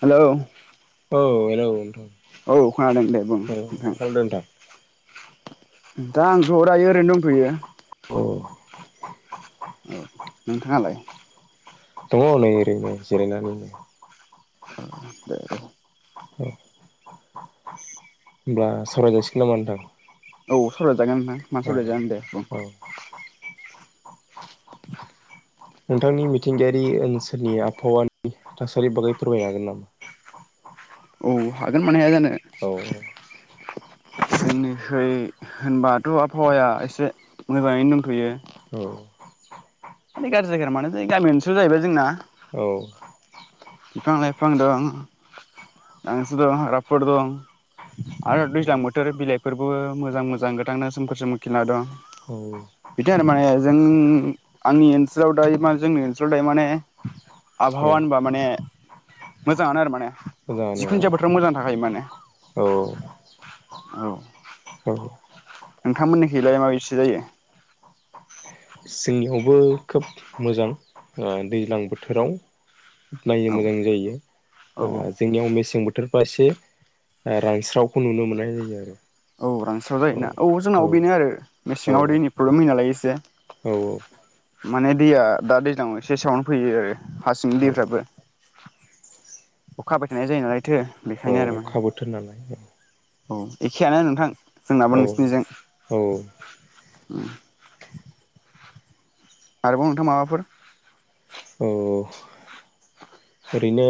Hello औ hello. औ खोनादों दे बुं औ मा नोंथां। खालामदों नोंथां दा आंथ' रायो ओरैनो दंथ'यो। अ औ नोंथाङालाय? दङ' नै ओरैनो जिरायनानैनो। [unintelligible] होनबा सावराय जासिगोन नामा नोंथां? औ सावराय जागोन नोंथां मा सावराजायानदो बुं। औ औ [inaudible] नोंथांनि मिथिंगायारि ओनसोलनि आबहावानि थासारि बागै फोरमायनो हागोन नामा? औ हागोन मानो हाया जानो? औ औ। नोंसिनिखै होनबाथ' आबहावाया एसे मोजाङैनो दंथ'यो? औ। नै गामि ओनसोल जाहैबाय जोंना औ। बिफां लाइफां दं, गांसो दं, हाग्राफोर दं। आरो दैज्लां बोथोर बिलाइ फोरबो मोजां मोजां गोथांनो सोमखोर सोमखोर खिलिना दं। औ बिदि आरो माने जों ओ आंनि ओनसोलाव दायो मा जोंनि ओनसोलाव दायो माने आबहावा औ होनबा माने मोजाङानो आरो माने मोजाङानो जिखुनु जाया बोथोराव मोजां थाखाय माने औ औ। औ नोंथांमोननि खैलाय माबायदिसो जायो? जोंनियावबो खोब मोजां ओ दैज्लां बोथोराव नायनो औ मोजां जायो औ आ जोंनियाव मेसें बोथ थोरफा एसे ओ रानस्रावखौ नुनो मोननाय जायो आरो। औ रांस्राव जायोना औ जोंनाव बेनो आरो औ मेसेङाव दैनि प्रब्लेम होयो नालायो एसे से औ औ। माने दैया दा दैज्लांआव एसे साउन्नो फैयो। हा सिंनि औ दैफ्राबो अखा हाबायथायनाय जायो नालाय। औ खाबोथोन नालाय औ। औ ए खेयानो नोंथां। जोंनाबो औ औ । उम। आरोबाव नोंथां माबाफोर औ। ओरैनो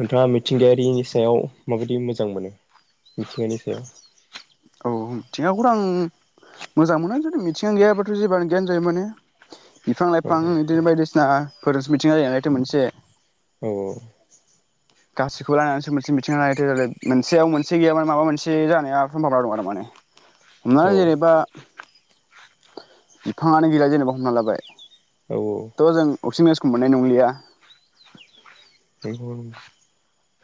नोंथाङा मिथिंगायारिनि सायाव माबायदि मोजां मोनो मिथिंगानि सायाव? औ मिथिंगाखौथ' आं मोजां मोना जुदि मिथिंगा गैयाबाथ जेबोआनो गैयानो जायो माने। बिफां औ लाइफां इदिनो बायदिसिना फोरासो मिथिंगा जायो नालायथ मोनसे। औ औ। गासैखौ लानानैसो मोनसे मिथिंगा नालाय थो मोनसेयाव मोनसे गैयाम माबा मोनसे जानाया समभाबना दं आरो माने औ हमनानै जेनैबा बिफाङानो गैला जेनेबा हमना लाबाय औ औ। अक्सि जेन गेसखौ मोननाय नंलिया। बे नंगौ।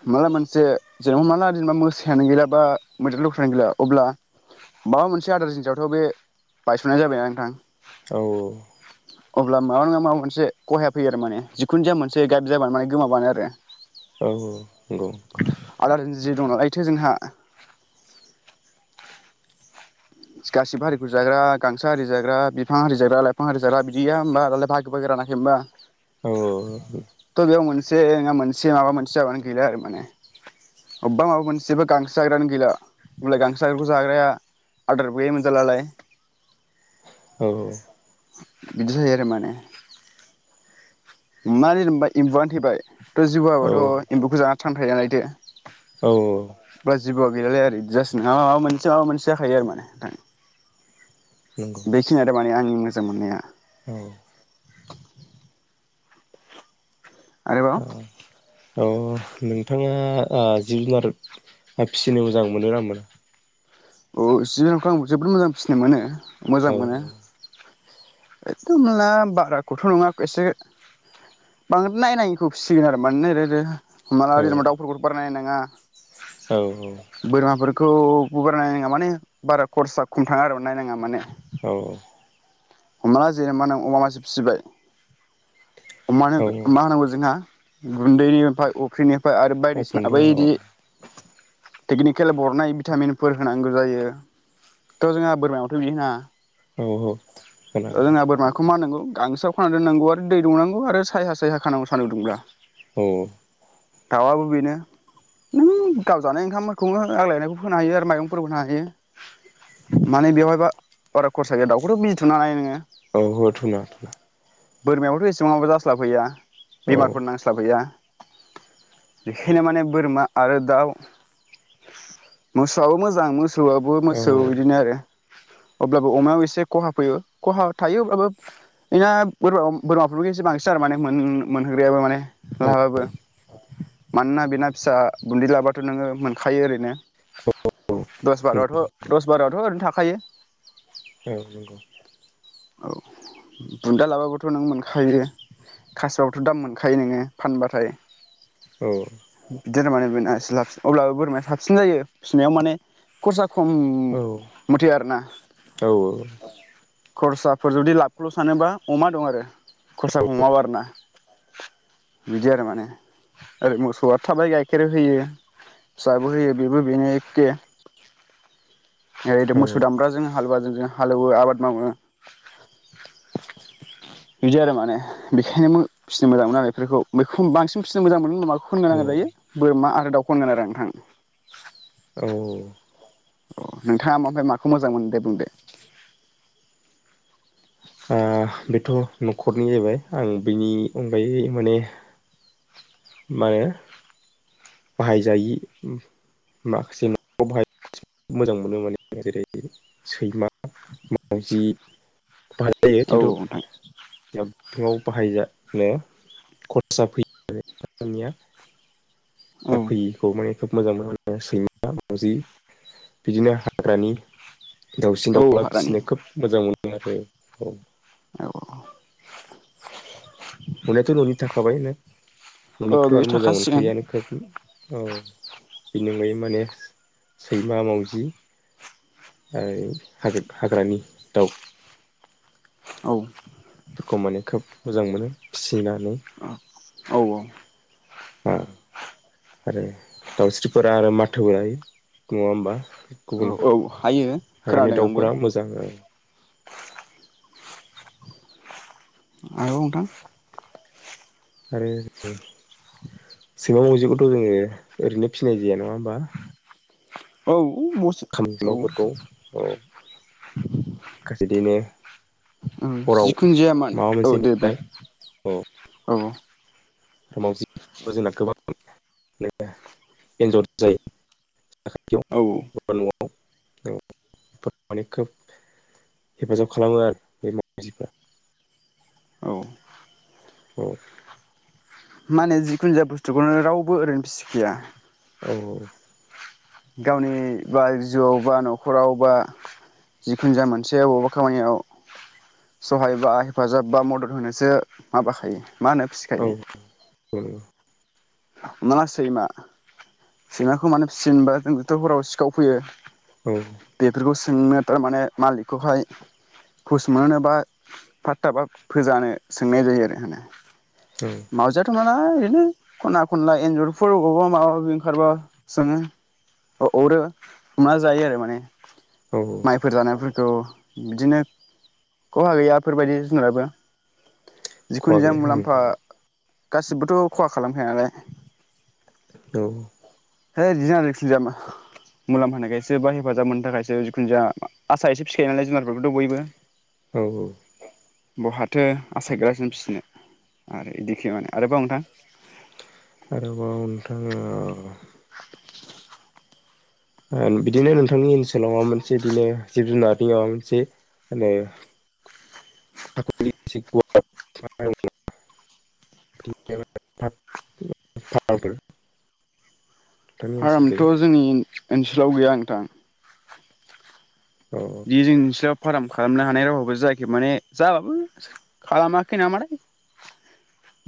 हमनाला मोनसे जेनेबा माला जेनेबा मोसायानो गैला बा मोयदेर लख्रानो गैला अब्ला माबा मोनसे आदार जिनिसआवथ बे बायसनाय जाबायना नोंथां औ औ। अब्ला माबा नङा माबा मोनसे खहाया फैयो आरो माने जिखुन जाया मोनसे गाइड जाबानो माने गोमाबानो आरो। औ औ। नोंगौ। जे दं नालायथो जोंहा। गासिबो हारिखौ जाग्रा गांसो आरि जाग्रा बिफां आरि जाग्रा लाइफां आरि जाग्रा बिदिया होनबा दालाय बागो बागि रानाखै होनबा। औ। मोनसे नोंङा मोनसे माबा मोनसे जाबानो गैला आरो माने अबबा माबा मोनसेबा गांसो जाग्रायानो गैला होमब्लालाय गांसो जाग्राखौ जाग्राया आदारखौ बे मोनजालालाय। औ। बिदि जायोआरो माने। हमनानै होनबाय एम्बुआनो थैबाय थ औ जबोआथ एम्बौखौ जाना [unintelligible] नायदो औ ओ जिबौआ गैलालाय आरो बिदि जास नङा माबा मोनसे माबा मोनसे जाखायो आरो माने नोंथां नंगौ बेखिनियानो माने आंनि मो मोजां मोननाया औ [inaudible] आरोबाव अ नोंथाङा ओ जिब जुनार फिसिनो मोजां मोनोना मोना? औ जिब जुनारखौ आं जोबोद मोजां फिसिनो मोनो औ मोजां मोनो एकदम ना बाराखौथ नङा एसे बांद्राय नायनाङिखौ फिसिगोन आरो मानोना रैनो हमना ला औ जेनबा दाउफोरखौ बारा नायनाङा नाङा औ औ खौ हगारनाय माने बारा खरसा खमथाङा आरो म नायनाङा माने औ हमना ला जेनेबा नों अमा मासे फिसिबाय अमानो मा होनांगौ जोंहा गुन्दैनि ओमफ्राय अफ्रिनि आरो बायदिसिना औ बैदि टेकनिकेल बरनाय भिटामिनफोर होनांगौ जायो थ जोंहा बोरमायावथ बिदि होनाङा औ हो जोंहा बोरमाखौ मा होनांगौ गांसोआव खाना दोननांगौ आरो दै दौनांगौ आरो साया सायहा खानांगौ सानदुं दुंब्ला औ दाउ आबो बेनो नों गावजानाय ओंखामफोरखौबो आग्लायनायखौ फोनो हायो आरो माइरंफोरबो होनो हायो माने बेयावहायबा बारा खरसा गैया दावखौथ बि थुनानै नोङो औ हो थुनाङा थुनाङा बोरमायाबोथ एसेबांबो जास्लाबहैया औ बेमारफोर नांस्लाब हैया बेखायनो माने बोरमा आरो दाउ मोसौआबो मोजां मोसौ मोसौआबो औ मोसौ बिदिनो आरो अब्लाबो अमायाव एसे खहा फैयो खहा थायो अब्लाबो बेनो बोरमा बोरमाफोरफोरखौ एसे बांसिन आरो माने मोन मोनहोग्रायाबो माने औ लाहा बाबो मानोना बेना फिसा बुन्दै लाबथ नोङो मोनखायो ओरैनो दस बारआथ दस बारावथ ओरैनो थाखायो। औ नंगौ औ बुन्दा लाबाबोथ नों मोनखायो खासिबाबोथ दाम मोनखायो नोङो फानबाथाय। औ। जेनेबा बेना एसेलाबसिन अब्लाबो बोरमाया साबसिन जायो फिसिनायाव माने खरसा खम औ मथे आरोना। खरसाफोर जुदि लाबखौल सानोबा अमा दं आरो। खरसा खमबाबो आरो ना। बिदि आरो माने। ओरै मोसौआ थाबाय गाइखेर होयो फिसाबो होयो बेबो बेनो एखे। [unintelligible] मोसौ दामब्राजों हालुवाजों हालेवो आबाद मावो। बिदि आरो माने बेखायनो फिसिनो मोजां मोनो आरो बेफोरखौ। बेखौ बांसिन फिसिनो मोजां मोनो [unintelligible] [unintelligible] औ गोनां जायो बोरमा आरो दाउख' होनगोन आरो नोंथां। औ। अ नोंथाङा ओमफाय मा माखौ मोजां मोनो दे बुंदो? बेथ नख'रनि जाहैबाय आं बिनि अनगायै माने मायो बाहायजायि माखासे न'आव बाहाय जायै मोजां मोनो माने जेरै सैमा, मावजि, [unintelligible] औ खिन्थु [unintelligible] नोंथां बिथिङाव बाहायजानो खरसा फैयो। [inaudible] जा फैयिखौ माने खोब मोजां मोनो सैमा, मावजि बिदिनो हाग्रानि दाउसिन औ दाउला हाग्रानि फिसिनो खोब मोजां मोनो। आरो औ। औ। न'नियाथ न'नि थाखाबायानो औ न'निखौथ बेयो आरो मोजां थाखासिगोन मोनखायोआनो खोबनो औ। बेनि अनगायै माने सैमा, मावजि हाग्रानि दाउ। औ। फोरखौ माने खोब मोजां मोनो फि सिनानै। औ ओम आरो दाउस्रिफोरा आरो माथोबो हायो। नङा होमबा? औ गुबुन औ हायो हाग्रानि खोनादों आंबो। दाउफोरा मोजां औ आरो नोंथां। आरो सैमा मावजिखौथ जोङो ओरैनो फिसिनाय जाया नङा होमबा। औ। बस [unintelligible] खौ [unintelligible] औ औ ओं हराव जिखुनु जाया मान माबा मोनसे औ दे बुं नेबाय औ। औ मावजि। जोंना गोबां। इन्जर जायो‌ औ साथाथियाव [inaudible] नआव औखोब हेफाजाब खालामो आरो बे मावजिफ्रा। औ। औ‌। मा होनो जिखुन जा बुस्थुखौनो रावबो ओरैनो फिसिखाया। औ औ। गावनि बा जिउआव बा नखराव बा जिखुन जा मोनसे आवबा खामानियाव सहाय बा हेफाजाब बा मदद होनोसो माबाखायो। मा होनो फिसिखायो। उम। मा सैमा सैमाखौ माननो फिसियोमबा जोंदथ हराव सिखाव फैयो। औ बेफोरखौ। सोंनो थ माने मालिकखौहाय हुस मानोबा फाथथा बा फोजानो सोंनाय जायो आरो होनो। माउजिया थ। ओ औरैनो‌ खना खनला एन्जरफोर अबावबा माबा माबि ओंखारबा सोङो अरो हमना जायो आरो माने। औ माइफोर जानायफोरखौ। बिदिनो खहा गैयाफोरबायदि जुनाराबो। जिखुन खहा जों गैया मुलाम्फा। गासिबोथ खहा। खालामखाया नालाय। औ। है जिखुनु जाया मुलामफा होनानायखायसो बा हेफाजाब मोननो थाखायसो जिखुनु जाया आसा एसे फिखायो नालाय जुनारफोरखौथ बयबो। औ बहाथो आसायग्रासिनो फिसिनो आरो बिदिखि माने आरोबाव नोंथां। आरोबाव नोंथाङा। [unintelligible] बिदिनो नोंथांनि ओनसोलाव माबा मोनसे बिदिनो जिब जुनारनि माबा मोनसे [unintelligible] ओनसोलखै आरामथ जोंनि। ओनसोलाव गैया नोंथां। औ [inaudible] फार्म खालामनो हानाय रावाबो जायाखै माने जाबाबो खालामाखै नामाथाय।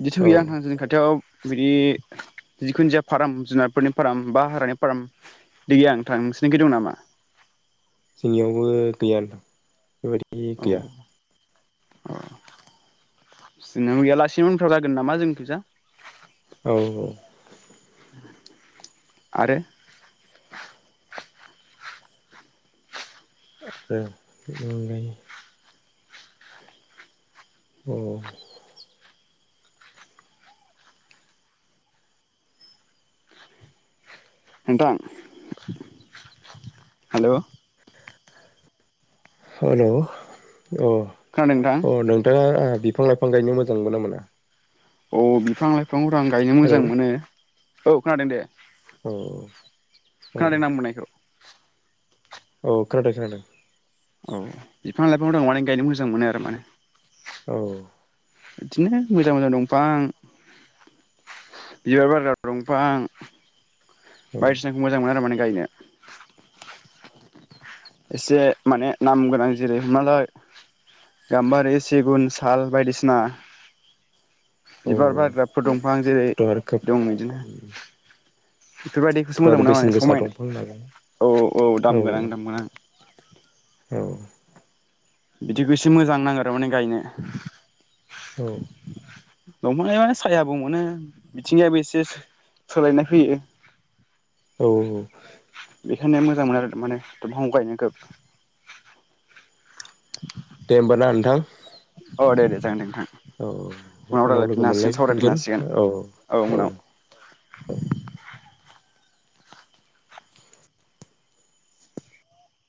बिदिथ औ गैया नोंथां जोंनि खाथियाव बिदि जिखुनु जाया फाराम जुनारफोरनि फाराम बा हागानि फाराम बिदि गैया नोंथां नोंसिनिखै दं नामा। जोंनियावबो गैया नोंथां बेबायदि। नि गैया। अ जोंनाबो गैया लासिनो उनफ्राव जागोन नामा जोंनिखैजा। औ औ। आरो आरो बेनि अनगायै औ औ। नोंथां हेलौ। हालौ। अह खोनादों नोंथां अह नोंथाङा आ बिफां लाइफां गायनो मोजां मोनगोना मोना? अ बिफां लाइ फिफांफोर आं गायनो मोजां हेलौ मोनो। औ खोनादों दे। अह। खोनादों आं बुंनायखौ। औ खोनादों खोनादों। औ बिफां लाइफां दं माने गायनो मोजां मोनो आरो माने। औ। इदिनो मोजां मोजां दंफां बिबार बारग्रा दंफां औ बायदिसिनाखौ मोजां मोनो आरो माने। गायनो एसे माने नाम गोनां जेरै हिमालय, गाम्बारि, सिगुन, साल बायदिसिना औ बिबार बारग्राफोर दंफां जेरै औथ' आरो खोब दं इदिनो। बेफोरबायदिखौसो थ' मोजां आरो मोनो माने बेसेन गोसा समायना दंफां नालाय औ औ दामगोनां दामा। औ। बिदिखौ एसे मोजां नांङो आरो माने गायनो। औ दंफां गायबा सायाबो मोनो बिथिंजायबो एसे सोलायनाय फैयो। औ औ। बेखायनो मोजां मोनो आरो माने दंफां गायनोखो। [inaudible] दे होनबा ना नोंथां। अ दे दे जागोनदे नोंथां। औ औ उनाव लोगो रायलायफिननो हासिगोन सावरायफिननो मोनलायफिनगोन हासिगोन औ औ औ।